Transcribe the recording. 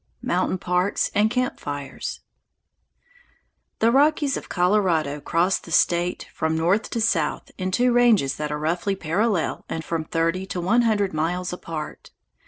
Mountain Parks and Camp Fires The Rockies of Colorado cross the State from north to south in two ranges that are roughly parallel and from thirty to one hundred miles apart.